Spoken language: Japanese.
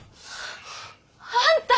あんた！